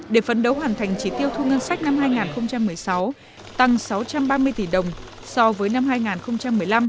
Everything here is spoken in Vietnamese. để phấn đấu hoàn thành trí tiêu thu ngân sách năm hai nghìn một mươi sáu tăng sáu trăm ba mươi tỷ đồng so với năm hai nghìn một mươi năm